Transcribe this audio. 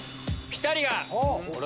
ピタリが！